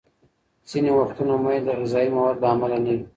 ځینې وختونه میل د غذايي موادو له امله نه وي.